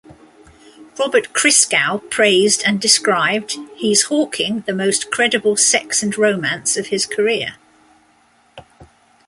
Robert Christgau praised and described: he's hawking the most credible sex-and-romance of his career.